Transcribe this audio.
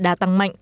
đã tăng mạnh